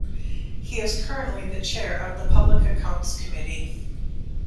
He is currently the Chair of the Public Accounts Committee.